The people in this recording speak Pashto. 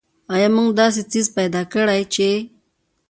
آیا که موږ داسې څیز پیدا کړ چې.